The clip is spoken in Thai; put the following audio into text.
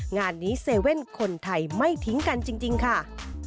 งานนี้๗๑๑คนไทยไม่ทิ้งกันจริงค่ะ